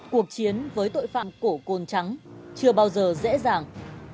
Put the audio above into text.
cuộc chiến với tội phạm cổ cồn trắng chưa bao giờ dễ dàng